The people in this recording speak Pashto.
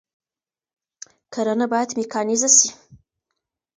کرنه بايد ميکانيزه سي.